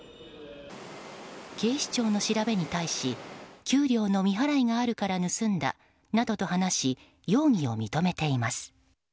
警視庁の調べに対し給料の未払いがあるから盗んだなどと話し容疑を認めています。